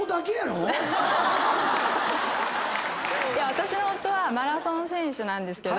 私の夫はマラソン選手なんですけど。